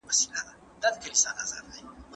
ما واورېدل چي ړوند سړي له ږیري سره بې ډاره اتڼ وکړ.